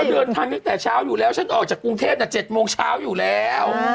เมื่อเดินทางนี้แต่เช้าอยู่แล้วฉันออกที่กรุงเทพันธุ์แต่๗โมงเช้าอยู่แล้ว